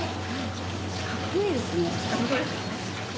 かっこいいですね。